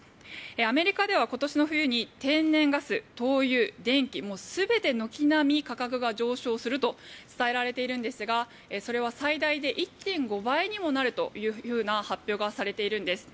アメリカでは今年の冬に天然ガス、灯油、電気全て軒並み価格が上昇すると伝えられているんですがそれは最大で１．５倍にもなるという発表がされているんです。